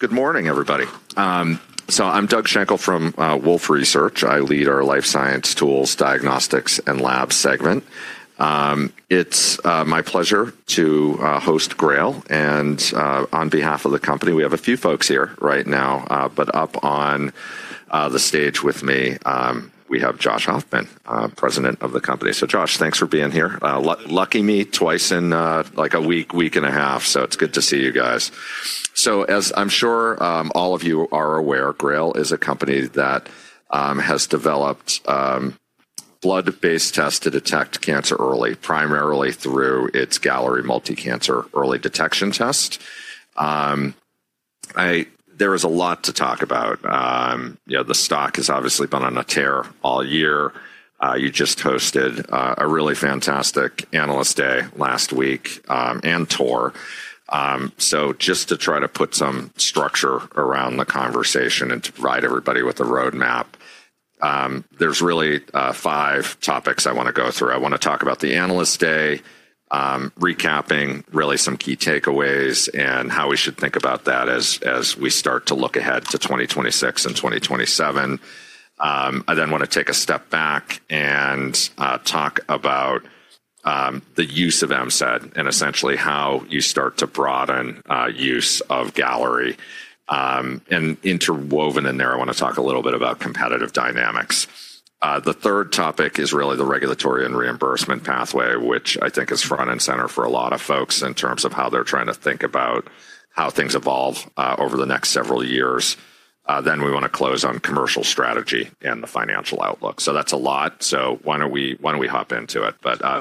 Good morning, everybody. So I'm Doug Shankle from Wolf Research. I lead our life science tools, diagnostics, and labs segment. It's my pleasure to host GRAIL, and on behalf of the company, we have a few folks here right now, but up on the stage with me, we have Josh Ofman, President of the company. So Josh, thanks for being here. Lucky me twice in, like, a week, week and a half, so it's good to see you guys. As I'm sure all of you are aware, GRAIL is a company that has developed blood-based tests to detect cancer early, primarily through its Galleri Multi Cancer Early Detection Test. I—there is a lot to talk about. You know, the stock has obviously been on a tear all year. You just hosted a really fantastic Analyst Day last week, and tour. So just to try to put some structure around the conversation and to provide everybody with a roadmap, there's really five topics I want to go through. I want to talk about the Analyst Day, recapping really some key takeaways and how we should think about that as we start to look ahead to 2026 and 2027. I then want to take a step back and talk about the use of MCED and essentially how you start to broaden use of Galleri. And interwoven in there, I want to talk a little bit about competitive dynamics. The third topic is really the regulatory and reimbursement pathway, which I think is front and center for a lot of folks in terms of how they're trying to think about how things evolve over the next several years. Then we want to close on commercial strategy and the financial outlook. That's a lot. Why don't we hop into it?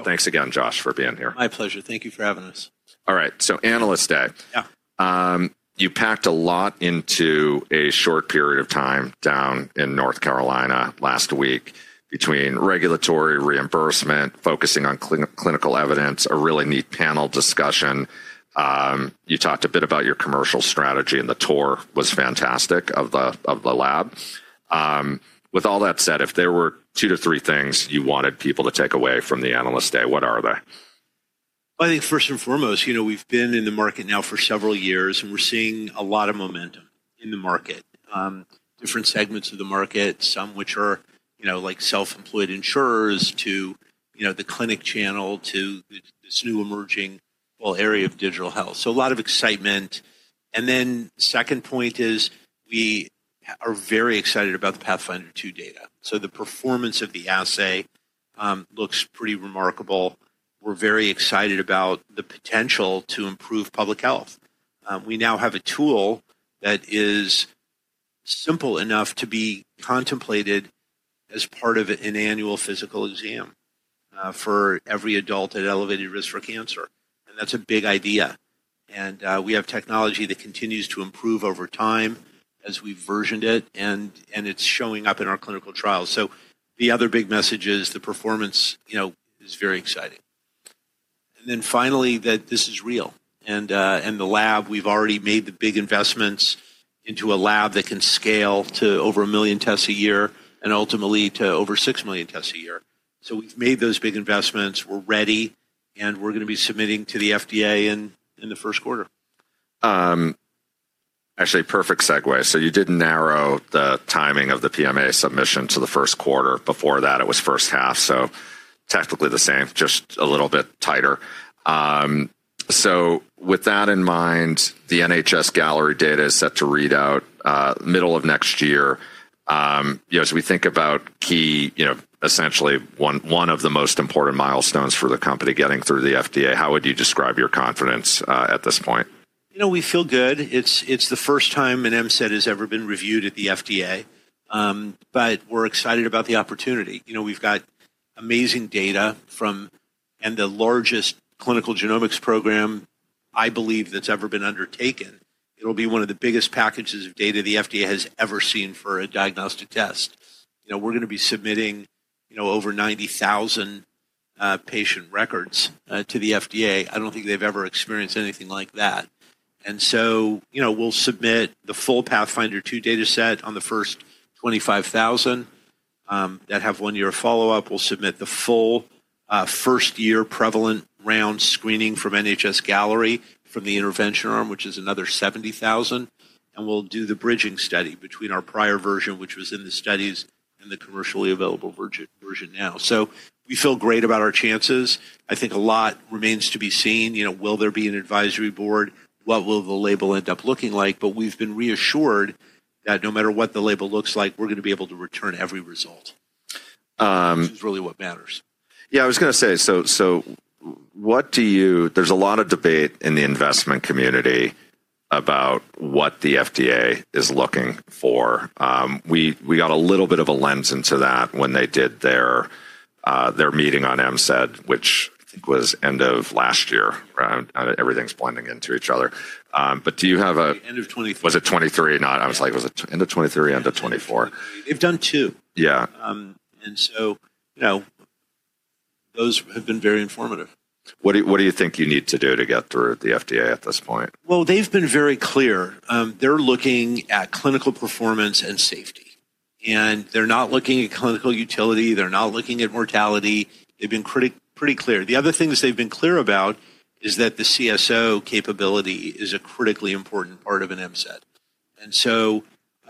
Thanks again, Josh, for being here. My pleasure. Thank you for having us. All right. So Analyst Day. Yeah. You packed a lot into a short period of time down in North Carolina last week between regulatory reimbursement, focusing on clinical evidence, a really neat panel discussion. You talked a bit about your commercial strategy, and the tour was fantastic of the lab. With all that said, if there were two to three things you wanted people to take away from the Analyst Day, what are they? I think first and foremost, you know, we've been in the market now for several years, and we're seeing a lot of momentum in the market, different segments of the market, some which are, you know, like self-employed insurers to, you know, the clinic channel to this new emerging whole area of digital health. A lot of excitement. The second point is we are very excited about the Pathfinder 2 data. The performance of the assay looks pretty remarkable. We're very excited about the potential to improve public health. We now have a tool that is simple enough to be contemplated as part of an annual physical exam for every adult at elevated risk for cancer. That's a big idea. We have technology that continues to improve over time as we've versioned it, and it's showing up in our clinical trials. The other big message is the performance, you know, is very exciting. And then finally, that this is real. The lab, we've already made the big investments into a lab that can scale to over 1 million tests a year and ultimately to over 6 million tests a year. We've made those big investments. We're ready, and we're going to be submitting to the FDA in the first quarter. Actually, perfect segue. You did narrow the timing of the PMA submission to the first quarter. Before that, it was first half. Technically the same, just a little bit tighter. With that in mind, the NHS-Galleri data is set to read out middle of next year. You know, as we think about key, you know, essentially one, one of the most important milestones for the company getting through the FDA, how would you describe your confidence at this point? You know, we feel good. It's the first time an MCED has ever been reviewed at the FDA. We're excited about the opportunity. You know, we've got amazing data from, and the largest clinical genomics program, I believe, that's ever been undertaken. It'll be one of the biggest packages of data the FDA has ever seen for a diagnostic test. You know, we're going to be submitting, you know, over 90,000 patient records to the FDA. I don't think they've ever experienced anything like that. You know, we'll submit the full Pathfinder 2 data set on the first 25,000 that have one year follow-up. We'll submit the full first year prevalent round screening from NHS-Galleri from the intervention arm, which is another 70,000. We'll do the bridging study between our prior version, which was in the studies, and the commercially available version now. We feel great about our chances. I think a lot remains to be seen. You know, will there be an advisory board? What will the label end up looking like? We have been reassured that no matter what the label looks like, we are going to be able to return every result. Which is really what matters. Yeah, I was going to say, so what do you, there's a lot of debate in the investment community about what the FDA is looking for. We got a little bit of a lens into that when they did their meeting on MCED, which I think was end of last year, right? Everything's blending into each other. Do you have a— End of 2023. Was it 2023? No, I was like, was it end of 2023, end of 2024? They've done two. Yeah. And so, you know, those have been very informative. What do you think you need to do to get through the FDA at this point? They've been very clear. They're looking at clinical performance and safety. They're not looking at clinical utility. They're not looking at mortality. They've been pretty, pretty clear. The other thing that they've been clear about is that the CSO capability is a critically important part of an MCED.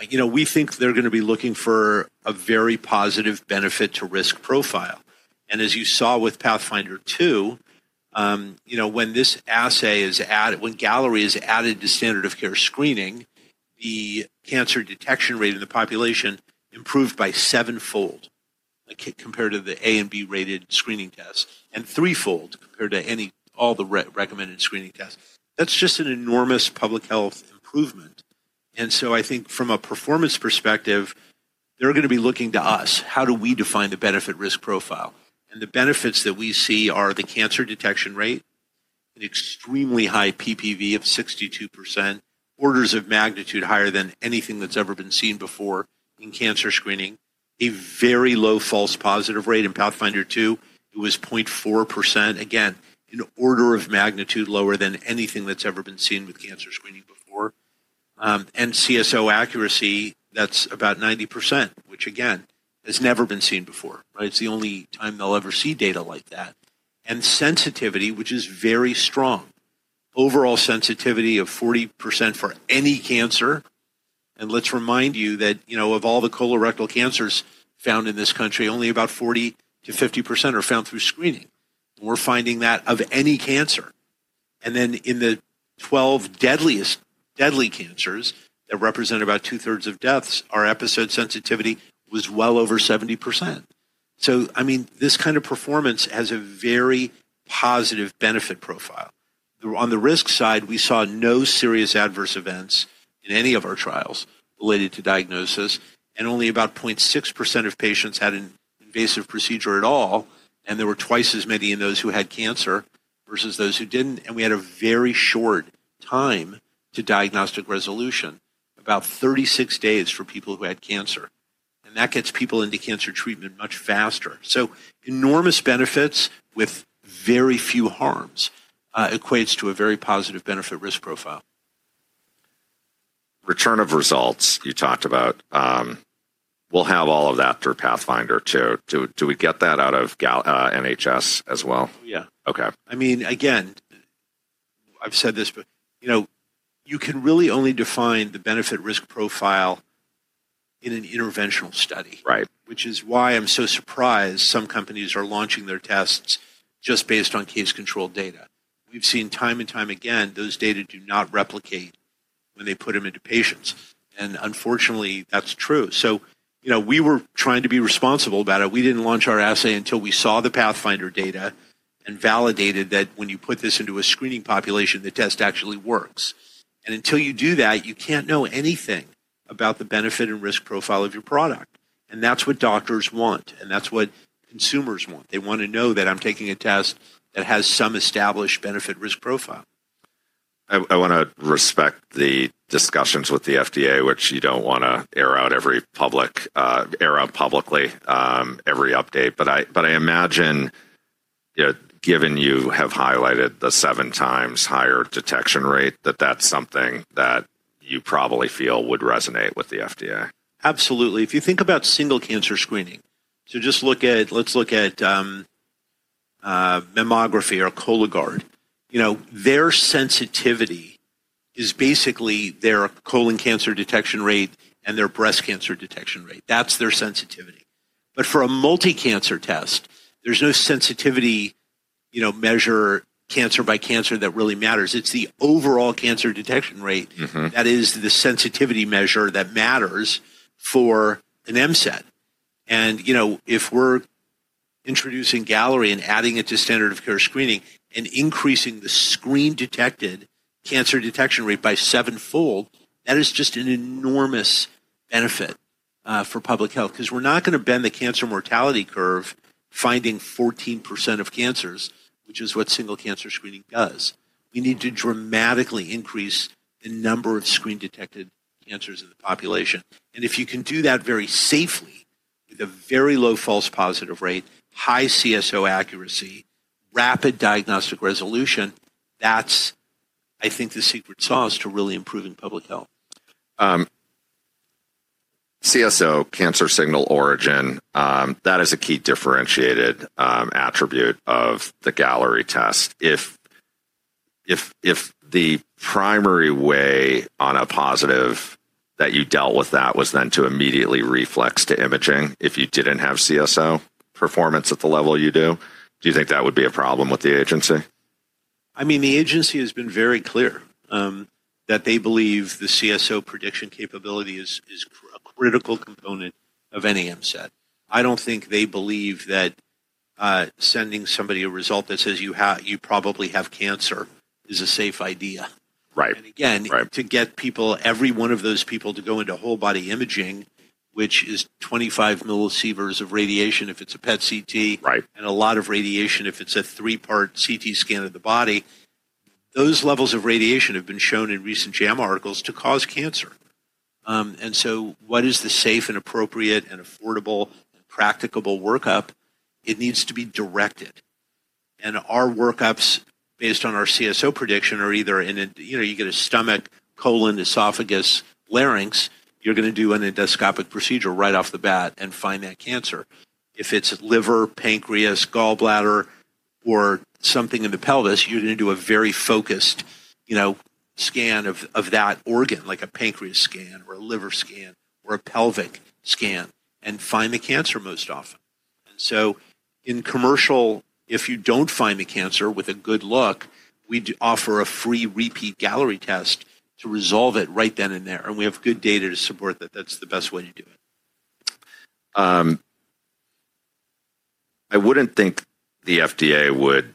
You know, we think they're going to be looking for a very positive benefit to risk profile. As you saw with Pathfinder 2, when this assay is added, when Galleri is added to standard of care screening, the cancer detection rate in the population improved by seven-fold compared to the A and B rated screening tests, and three-fold compared to any, all the recommended screening tests. That's just an enormous public health improvement. I think from a performance perspective, they're going to be looking to us. How do we define the benefit risk profile? The benefits that we see are the cancer detection rate, an extremely high PPV of 62%, orders of magnitude higher than anything that's ever been seen before in cancer screening, a very low false positive rate in Pathfinder 2. It was 0.4%. Again, an order of magnitude lower than anything that's ever been seen with cancer screening before. CSO accuracy, that's about 90%, which again, has never been seen before, right? It's the only time they'll ever see data like that. Sensitivity, which is very strong. Overall sensitivity of 40% for any cancer. Let's remind you that, you know, of all the colorectal cancers found in this country, only about 40-50% are found through screening. We're finding that of any cancer. In the 12 deadliest, deadly cancers that represent about two-thirds of deaths, our episode sensitivity was well over 70%. I mean, this kind of performance has a very positive benefit profile. On the risk side, we saw no serious adverse events in any of our trials related to diagnosis, and only about 0.6% of patients had an invasive procedure at all, and there were twice as many in those who had cancer versus those who did not. We had a very short time to diagnostic resolution, about 36 days for people who had cancer. That gets people into cancer treatment much faster. Enormous benefits with very few harms equates to a very positive benefit risk profile. Return of results you talked about, we'll have all of that through Pathfinder 2, to, do we get that out of NHS as well? Oh, yeah. Okay. I mean, again, I've said this, but you know, you can really only define the benefit risk profile in an interventional study. Right. Which is why I'm so surprised some companies are launching their tests just based on case control data. We've seen time and time again, those data do not replicate when they put them into patients. Unfortunately, that's true. You know, we were trying to be responsible about it. We didn't launch our assay until we saw the Pathfinder data and validated that when you put this into a screening population, the test actually works. Until you do that, you can't know anything about the benefit and risk profile of your product. That's what doctors want, and that's what consumers want. They want to know that I'm taking a test that has some established benefit risk profile. I want to respect the discussions with the FDA, which you don't want to air out publicly, every update. I imagine, you know, given you have highlighted the seven times higher detection rate, that that's something that you probably feel would resonate with the FDA. Absolutely. If you think about single cancer screening, so just look at, let's look at, Mammography or Cologuard. You know, their sensitivity is basically their colon cancer detection rate and their breast cancer detection rate. That's their sensitivity. For a multi-cancer test, there's no sensitivity, you know, measure cancer-by-cancer that really matters. It's the overall cancer detection rate that is the sensitivity measure that matters for an MCED. You know, if we're introducing Galleri and adding it to standard of care screening and increasing the screen-detected cancer detection rate by seven-fold, that is just an enormous benefit, for public health. Because we're not going to bend the cancer mortality curve finding 14% of cancers, which is what single cancer screening does. We need to dramatically increase the number of screen-detected cancers in the population. If you can do that very safely, with a very low false positive rate, high CSO accuracy, rapid diagnostic resolution, that's, I think, the secret sauce to really improving public health. CSO, cancer signal origin, that is a key differentiated attribute of the Galleri test. If the primary way on a positive that you dealt with that was then to immediately reflex to imaging if you did not have CSO performance at the level you do, do you think that would be a problem with the agency? I mean, the agency has been very clear, that they believe the CSO prediction capability is a critical component of any MCED. I don't think they believe that, sending somebody a result that says you have, you probably have cancer is a safe idea. Right. Again, to get people, every one of those people to go into whole body imaging, which is 25 millisieverts of radiation if it's a PET/CT, and a lot of radiation if it's a three-part CT scan of the body, those levels of radiation have been shown in recent JAMA articles to cause cancer. What is the safe and appropriate and affordable and practicable workup? It needs to be directed. Our workups based on our CSO prediction are either in a, you know, you get a stomach, colon, esophagus, larynx, you're going to do an endoscopic procedure right off the bat and find that cancer. If it's liver, pancreas, gallbladder, or something in the pelvis, you're going to do a very focused, you know, scan of that organ, like a pancreas scan or a liver scan or a pelvic scan and find the cancer most often. In commercial, if you don't find the cancer with a good look, we offer a free repeat Galleri test to resolve it right then and there. We have good data to support that that's the best way to do it. I wouldn't think the FDA would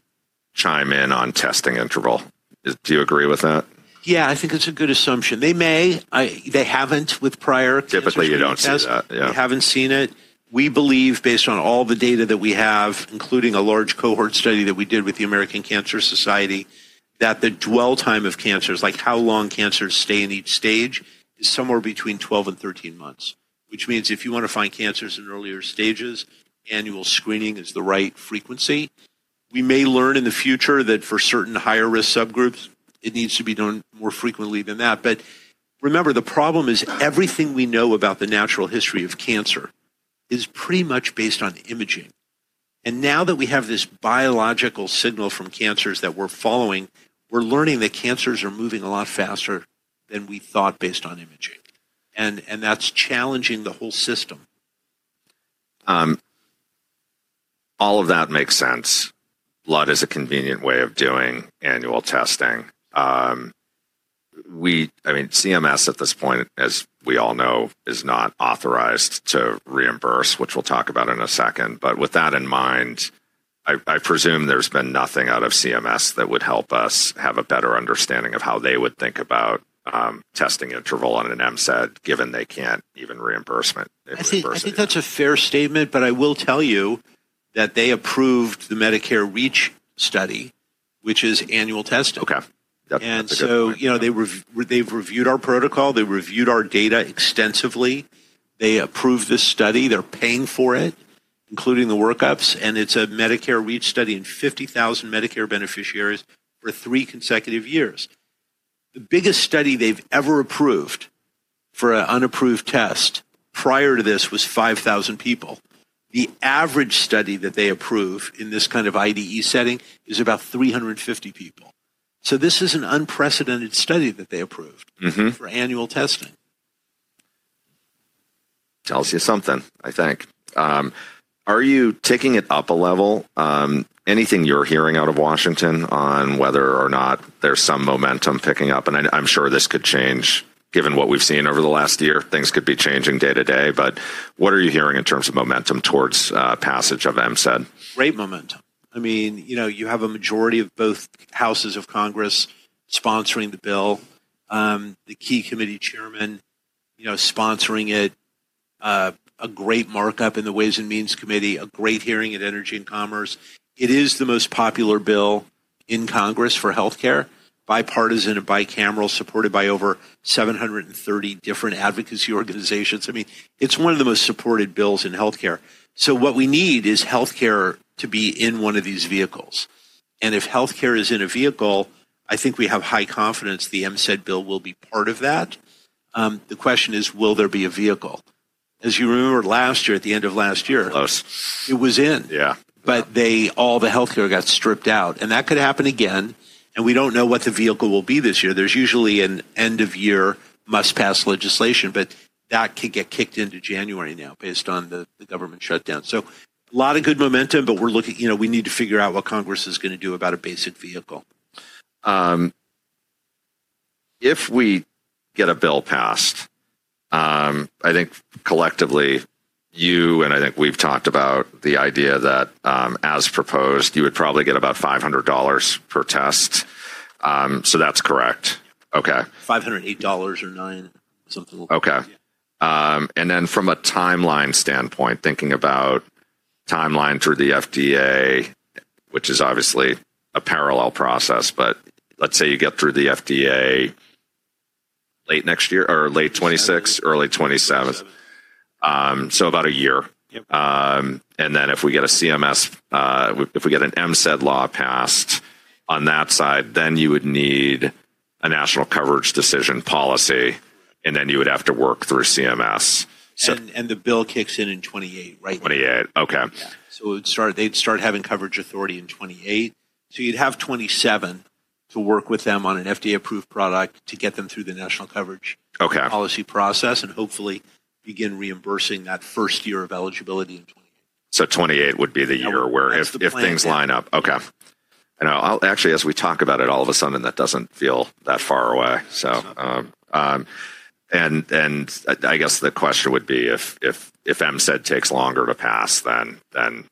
chime in on testing interval. Do you agree with that? Yeah, I think it's a good assumption. They may, I, they haven't with prior tests. Typically, you don't see that. Yeah. They haven't seen it. We believe, based on all the data that we have, including a large cohort study that we did with the American Cancer Society, that the dwell time of cancers, like how long cancers stay in each stage, is somewhere between 12 and 13 months, which means if you want to find cancers in earlier stages, annual screening is the right frequency. We may learn in the future that for certain higher risk subgroups, it needs to be done more frequently than that. Remember, the problem is everything we know about the natural history of cancer is pretty much based on imaging. Now that we have this biological signal from cancers that we're following, we're learning that cancers are moving a lot faster than we thought based on imaging. That is challenging the whole system. All of that makes sense. Blood is a convenient way of doing annual testing. We, I mean, CMS at this point, as we all know, is not authorized to reimburse, which we'll talk about in a second. With that in mind, I presume there's been nothing out of CMS that would help us have a better understanding of how they would think about testing interval on an MCED, given they can't even reimburse it. I think that's a fair statement, but I will tell you that they approved the Medicare REACH study, which is annual testing. Okay. You know, they've reviewed our protocol. They reviewed our data extensively. They approved this study. They're paying for it, including the workups. It's a Medicare REACH study in 50,000 Medicare beneficiaries for three consecutive years. The biggest study they've ever approved for an unapproved test prior to this was 5,000 people. The average study that they approve in this kind of IDE setting is about 350 people. This is an unprecedented study that they approved for annual testing. Tells you something, I think. Are you taking it up a level? Anything you're hearing out of Washington, D.C. on whether or not there's some momentum picking up? I'm sure this could change, given what we've seen over the last year. Things could be changing day to day. What are you hearing in terms of momentum towards passage of MSAD? Great momentum. I mean, you know, you have a majority of both houses of Congress sponsoring the bill, the key committee chairman, you know, sponsoring it, a great markup in the Ways and Means Committee, a great hearing at Energy and Commerce. It is the most popular bill in Congress for healthcare, bipartisan and bicameral, supported by over 730 different advocacy organizations. I mean, it's one of the most supported bills in healthcare. What we need is healthcare to be in one of these vehicles. If healthcare is in a vehicle, I think we have high confidence the MSAD bill will be part of that. The question is, will there be a vehicle? As you remember last year, at the end of last year, it was in. Yeah. They, all the healthcare got stripped out. That could happen again. We do not know what the vehicle will be this year. There is usually an end-of-year must-pass legislation, but that could get kicked into January now based on the government shutdown. A lot of good momentum, but we are looking, you know, we need to figure out what Congress is going to do about a basic vehicle. If we get a bill passed, I think collectively, you and I think we've talked about the idea that, as proposed, you would probably get about $500 per test. That is correct. Okay. $508 or $509, something like that. Okay. And then from a timeline standpoint, thinking about timeline through the FDA, which is obviously a parallel process, but let's say you get through the FDA late next year or late 2026, early 2027. So about a year. And then if we get a CMS, if we get an MSAD law passed on that side, then you would need a national coverage decision policy, and then you would have to work through CMS. The bill kicks in 2028, right? 28. Okay. It would start, they'd start having coverage authority in 2028. You'd have 2027 to work with them on an FDA-approved product to get them through the national coverage policy process and hopefully begin reimbursing that first year of eligibility in 2028. Twenty-eight would be the year where if things line up. Okay. I'll actually, as we talk about it, all of a sudden, that does not feel that far away. I guess the question would be if MSAD takes longer to pass, then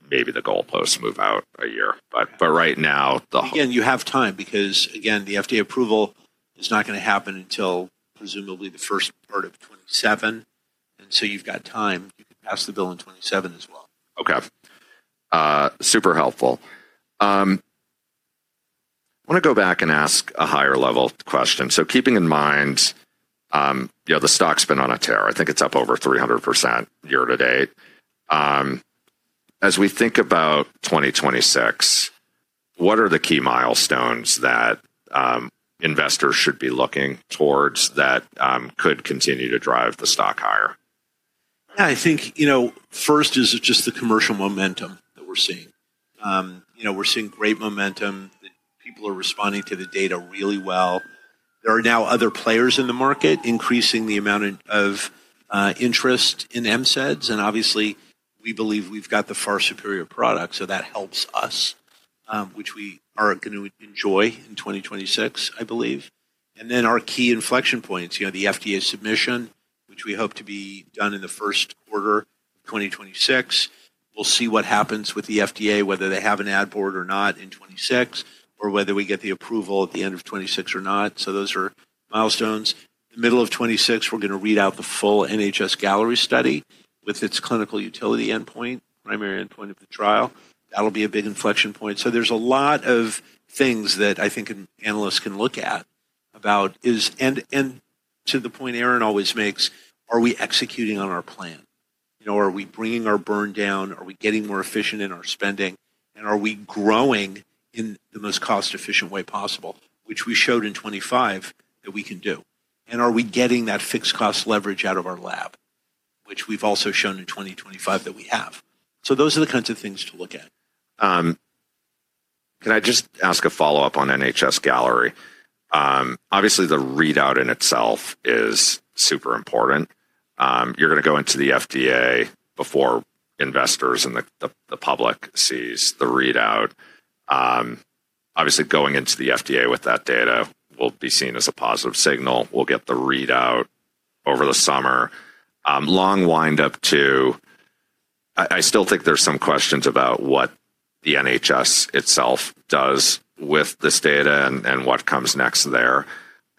maybe the goalposts move out a year. Right now the— You have time because, again, the FDA approval is not going to happen until presumably the first part of 2027. You have time. You can pass the bill in 2027 as well. Okay. Super helpful. I want to go back and ask a higher level question. So keeping in mind, you know, the stock's been on a tear. I think it's up over 300% year-to-date. As we think about 2026, what are the key milestones that investors should be looking towards that could continue to drive the stock higher? Yeah, I think, you know, first is just the commercial momentum that we're seeing. You know, we're seeing great momentum. People are responding to the data really well. There are now other players in the market increasing the amount of interest in MCEDs. Obviously, we believe we've got the far superior product. That helps us, which we are going to enjoy in 2026, I believe. Our key inflection points, you know, the FDA submission, which we hope to be done in the first quarter of 2026. We'll see what happens with the FDA, whether they have an ad board or not in 2026, or whether we get the approval at the end of 2026 or not. Those are milestones. The middle of 2026, we're going to read out the full NHS-Galleri study with its clinical utility endpoint, primary endpoint of the trial. That'll be a big inflection point. There are a lot of things that I think analysts can look at about is, and to the point Aaron always makes, are we executing on our plan? You know, are we bringing our burn down? Are we getting more efficient in our spending? Are we growing in the most cost-efficient way possible, which we showed in 2025 that we can do? Are we getting that fixed cost leverage out of our lab, which we've also shown in 2025 that we have? Those are the kinds of things to look at. Can I just ask a follow-up on NHS-Galleri? Obviously, the readout in itself is super important. You're going to go into the FDA before investors and the public see the readout. Obviously, going into the FDA with that data will be seen as a positive signal. We'll get the readout over the summer. Long windup too, I still think there's some questions about what the NHS itself does with this data and what comes next there.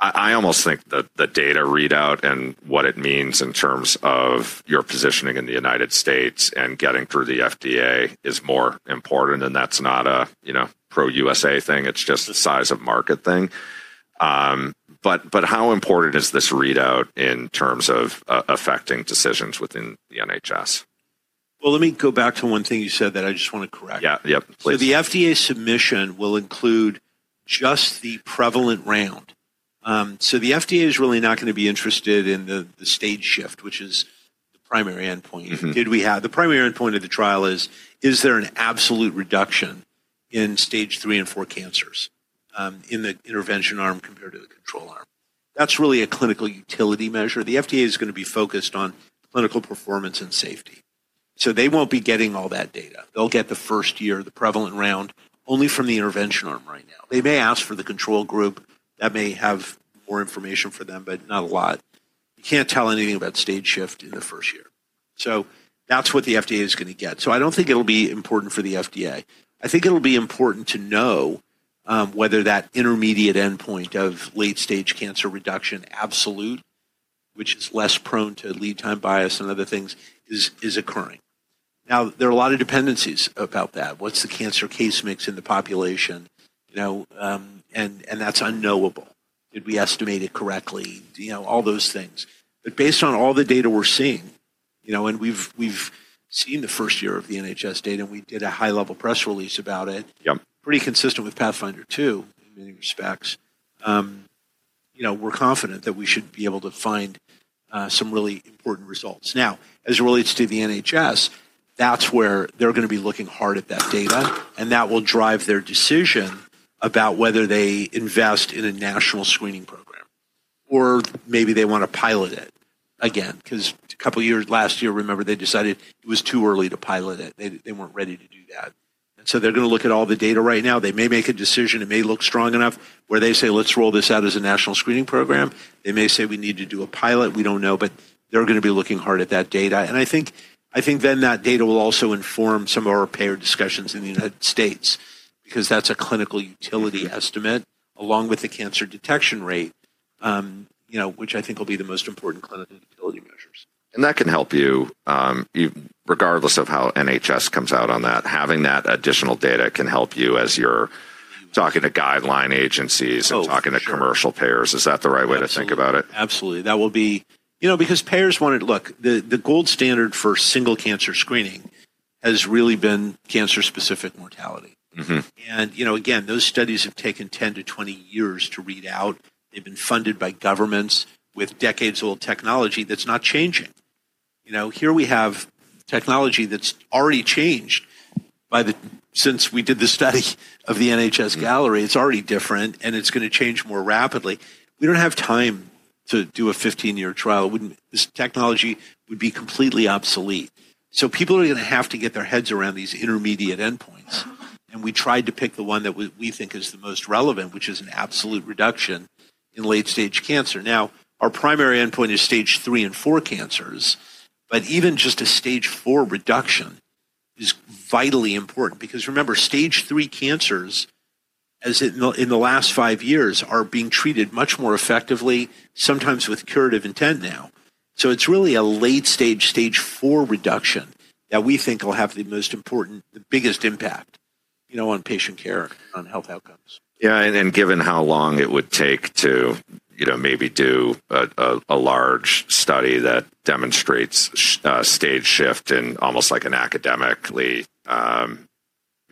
I almost think the data readout and what it means in terms of your positioning in the United States and getting through the FDA is more important. And that's not a, you know, pro-U.S.A. thing. It's just a size of market thing. But, but how important is this readout in terms of affecting decisions within the NHS? Let me go back to one thing you said that I just want to correct. Yeah, yeah. The FDA submission will include just the prevalent round. The FDA is really not going to be interested in the stage shift, which is the primary endpoint. The primary endpoint of the trial is, is there an absolute reduction in stage three and four cancers, in the intervention arm compared to the control arm? That's really a clinical utility measure. The FDA is going to be focused on clinical performance and safety. They won't be getting all that data. They'll get the first year, the prevalent round, only from the intervention arm right now. They may ask for the control group that may have more information for them, but not a lot. You can't tell anything about stage shift in the first year. That's what the FDA is going to get. I don't think it'll be important for the FDA. I think it'll be important to know, whether that intermediate endpoint of late-stage cancer reduction absolute, which is less prone to lead time bias and other things, is occurring. Now, there are a lot of dependencies about that. What's the cancer case mix in the population? You know, and that's unknowable. Did we estimate it correctly? You know, all those things. But based on all the data we're seeing, you know, and we've seen the first year of the NHS-Galleri data, and we did a high-level press release about it, pretty consistent with Pathfinder 2, in many respects. You know, we're confident that we should be able to find, some really important results. Now, as it relates to the NHS, that's where they're going to be looking hard at that data, and that will drive their decision about whether they invest in a national screening program, or maybe they want to pilot it again, because a couple of years last year, remember, they decided it was too early to pilot it. They weren't ready to do that. They are going to look at all the data right now. They may make a decision. It may look strong enough where they say, let's roll this out as a national screening program. They may say we need to do a pilot. We don't know, but they're going to be looking hard at that data. I think then that data will also inform some of our payer discussions in the United States because that's a clinical utility estimate along with the cancer detection rate, you know, which I think will be the most important clinical utility measures. That can help you, regardless of how NHS comes out on that. Having that additional data can help you as you're talking to guideline agencies and talking to commercial payers. Is that the right way to think about it? Absolutely. That will be, you know, because payers want to look, the gold standard for single cancer screening has really been cancer-specific mortality. And, you know, again, those studies have taken 10 - 20 years to read out. They've been funded by governments with decades-old technology that's not changing. You know, here we have technology that's already changed by the, since we did the study of the NHS-Galleri, it's already different, and it's going to change more rapidly. We don't have time to do a 15-year trial. This technology would be completely obsolete. So people are going to have to get their heads around these intermediate endpoints. And we tried to pick the one that we think is the most relevant, which is an absolute reduction in late-stage cancer. Now, our primary endpoint is stage three and four cancers, but even just a stage four reduction is vitally important because remember, stage three cancers, as in the last five years, are being treated much more effectively, sometimes with curative intent now. It is really a late-stage, stage four reduction that we think will have the most important, the biggest impact, you know, on patient care and on health outcomes. Yeah. Given how long it would take to, you know, maybe do a large study that demonstrates stage shift in almost like an academically,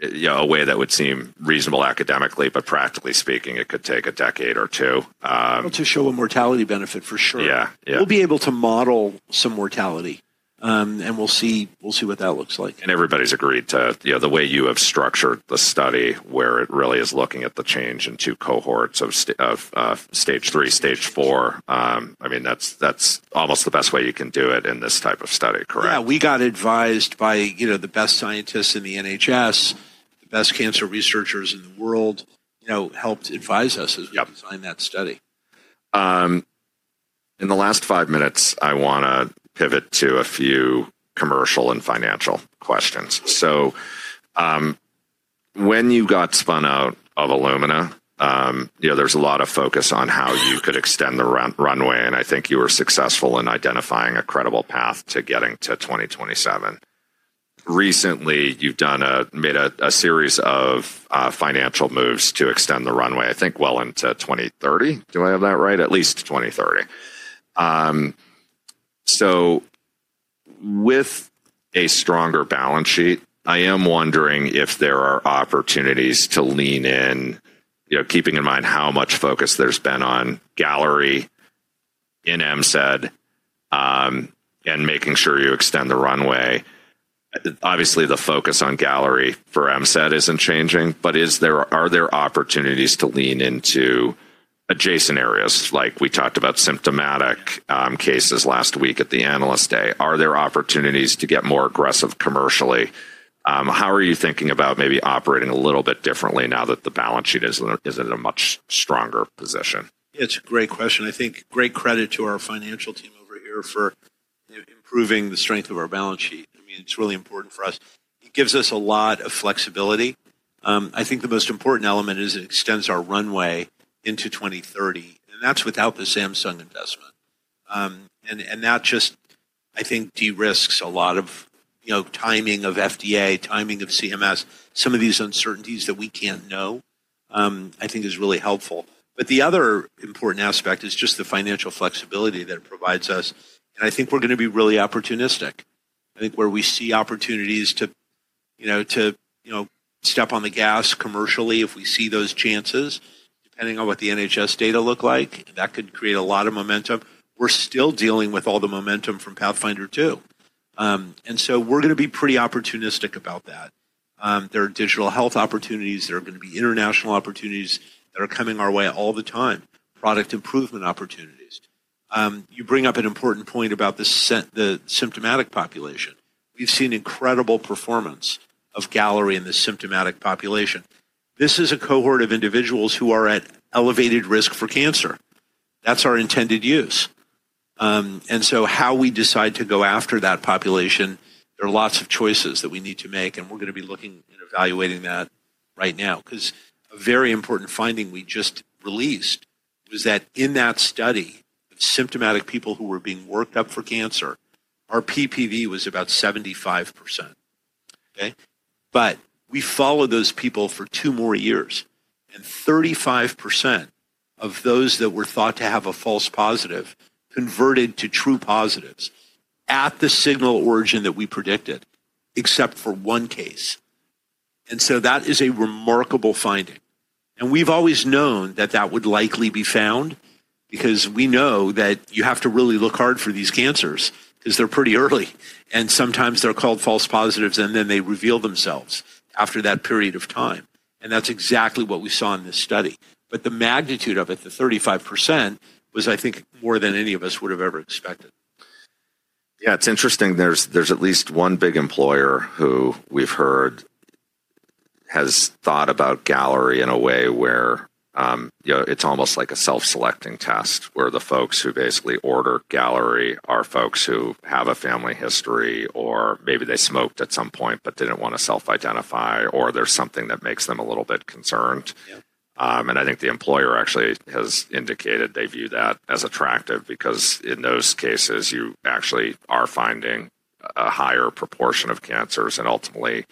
you know, a way that would seem reasonable academically, but practically speaking, it could take a decade or two. To show a mortality benefit, for sure. Yeah. We'll be able to model some mortality, and we'll see, we'll see what that looks like. Everybody's agreed to, you know, the way you have structured the study where it really is looking at the change in two cohorts of stage three, stage four. I mean, that's almost the best way you can do it in this type of study, correct? Yeah. We got advised by, you know, the best scientists in the NHS, the best cancer researchers in the world, you know, helped advise us as we designed that study. In the last five minutes, I want to pivot to a few commercial and financial questions. When you got spun out of Illumina, you know, there is a lot of focus on how you could extend the runway, and I think you were successful in identifying a credible path to getting to 2027. Recently, you have done a, made a series of financial moves to extend the runway, I think well into 2030. Do I have that right? At least 2030. With a stronger balance sheet, I am wondering if there are opportunities to lean in, you know, keeping in mind how much focus there has been on Galleri in MCED, and making sure you extend the runway. Obviously, the focus on Galleri for MCED is not changing, but is there, are there opportunities to lean into adjacent areas? Like we talked about symptomatic cases last week at the Analyst Day. Are there opportunities to get more aggressive commercially? How are you thinking about maybe operating a little bit differently now that the balance sheet is in a much stronger position? It's a great question. I think great credit to our financial team over here for improving the strength of our balance sheet. I mean, it's really important for us. It gives us a lot of flexibility. I think the most important element is it extends our runway into 2030, and that's without the Samsung investment. That just, I think, de-risks a lot of, you know, timing of FDA, timing of CMS, some of these uncertainties that we can't know, I think is really helpful. The other important aspect is just the financial flexibility that it provides us. I think we're going to be really opportunistic. I think where we see opportunities to, you know, step on the gas commercially, if we see those chances, depending on what the NHS data look like, that could create a lot of momentum. We're still dealing with all the momentum from Pathfinder 2. and so we're going to be pretty opportunistic about that. There are digital health opportunities that are going to be international opportunities that are coming our way all the time, product improvement opportunities. You bring up an important point about the symptomatic population. We've seen incredible performance of Galleri in the symptomatic population. This is a cohort of individuals who are at elevated risk for cancer. That's our intended use. and so how we decide to go after that population, there are lots of choices that we need to make, and we're going to be looking and evaluating that right now. Because a very important finding we just released was that in that study of symptomatic people who were being worked up for cancer, our PPV was about 75%. Okay. We followed those people for two more years, and 35% of those that were thought to have a false positive converted to true positives at the signal origin that we predicted, except for one case. That is a remarkable finding. We have always known that that would likely be found because we know that you have to really look hard for these cancers because they are pretty early. Sometimes they are called false positives, and then they reveal themselves after that period of time. That is exactly what we saw in this study. The magnitude of it, the 35%, was, I think, more than any of us would have ever expected. Yeah, it's interesting. There's at least one big employer who we've heard has thought about Galleri in a way where, you know, it's almost like a self-selecting test where the folks who basically order Galleri are folks who have a family history, or maybe they smoked at some point, but didn't want to self-identify, or there's something that makes them a little bit concerned. I think the employer actually has indicated they view that as attractive because in those cases, you actually are finding a higher proportion of cancers, and ultimately,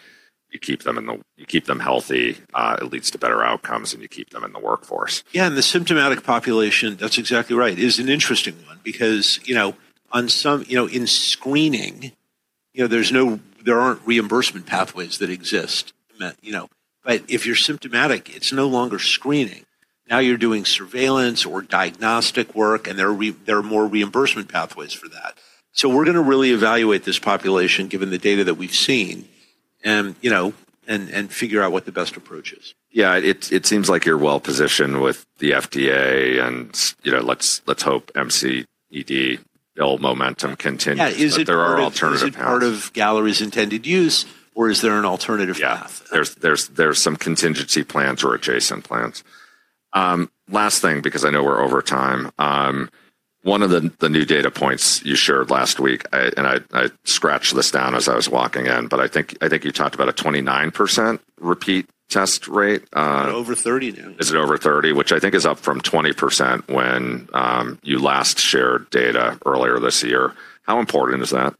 you keep them healthy, it leads to better outcomes, and you keep them in the workforce. Yeah, and the symptomatic population, that's exactly right, is an interesting one because, you know, in screening, you know, there aren't reimbursement pathways that exist, you know, but if you're symptomatic, it's no longer screening. Now you're doing surveillance or diagnostic work, and there are more reimbursement pathways for that. We're going to really evaluate this population given the data that we've seen, and, you know, figure out what the best approach is. Yeah, it seems like you're well positioned with the FDA and, you know, let's hope MCED, they'll momentum continue to see if there are alternative paths. Is it part of Galleri's intended use, or is there an alternative path? Yeah, there's some contingency plans or adjacent plans. Last thing, because I know we're over time, one of the new data points you shared last week, and I scratched this down as I was walking in, but I think you talked about a 29% repeat test rate. Over 30 now. Is it over 30%, which I think is up from 20% when you last shared data earlier this year. How important is that?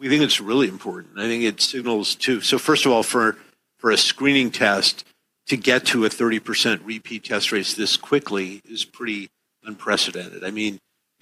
We think it's really important. I think it signals too. First of all, for a screening test, to get to a 30% repeat test rate this quickly is pretty unprecedented. I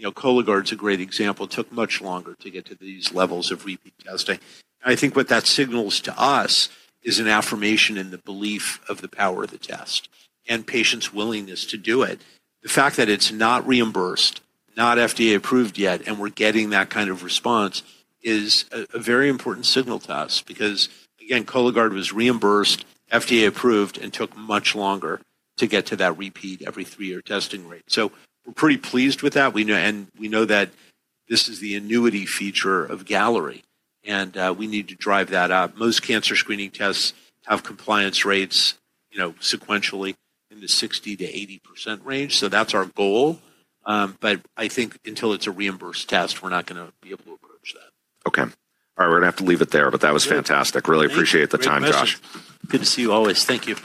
mean, you know, Cologuard is a great example. It took much longer to get to these levels of repeat testing. I think what that signals to us is an affirmation in the belief of the power of the test and patients' willingness to do it. The fact that it's not reimbursed, not FDA approved yet, and we're getting that kind of response is a very important signal to us because, again, Cologuard was reimbursed, FDA approved, and took much longer to get to that repeat every three-year testing rate. We're pretty pleased with that. We know, and we know that this is the annuity feature of Galleri, and we need to drive that up. Most cancer screening tests have compliance rates, you know, sequentially in the 60-80% range. That is our goal. but I think until it is a reimbursed test, we are not going to be able to approach that. Okay. All right. We're going to have to leave it there, but that was fantastic. Really appreciate the time, Josh. Good to see you always. Thank you.